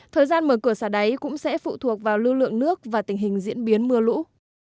thời gian mở cửa xả đáy cũng sẽ phụ thuộc vào lưu lượng nước và tình hình diễn biến mưa lũ